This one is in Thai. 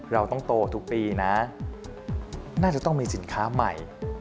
เราต้องโตทุกปีนะน่าจะต้องมีสินค้าใหม่